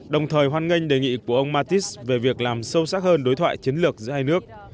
đồng thời hoan nghênh đề nghị của ông mattis về việc làm sâu sắc hơn đối thoại chiến lược giữa hai nước